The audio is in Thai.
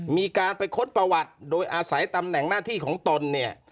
มีการไปค้นประวัติโดยอาศัยตำแหน่งหน้าที่ของตนเนี่ย